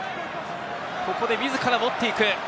ここで自ら持っていく。